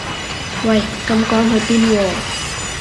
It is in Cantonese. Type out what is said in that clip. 喂咁趕去邊喎